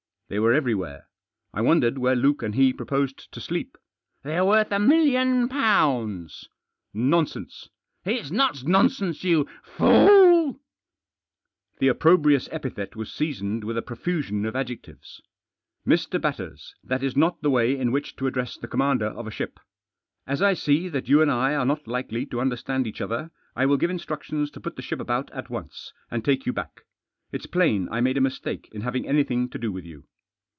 They were everywhere. I wondered where Luke and he proposed to sleep. " They're worth a million pounds." " Nonsense !"" It's not nonsense, you fool." The opprobrious epithet was seasoned with a profusion of adjectives. " Mr. Batters, that is not the way in which to address Digitized by THE FATHER— AND HIS CHILD. 269 the commander of a ship. As I see that you and I are not likely to understand each other I will give instruc tions to put the ship about at once, and take you back. It's plain I made a mistake in having anything to do with you."